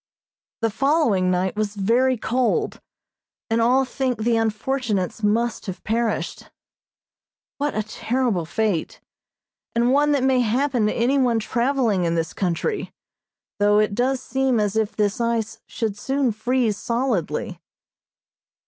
The following night was very cold, and all think the unfortunates must have perished. What a terrible fate, and one that may happen to any one traveling in this country, though it does seem as if this ice should soon freeze solidly.